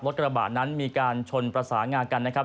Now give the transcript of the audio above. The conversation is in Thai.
กระบะนั้นมีการชนประสานงากันนะครับ